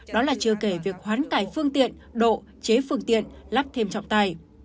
đó là chưa kể việc hoán cải phương tiện độ chế phương tiện lắp thêm trọng tài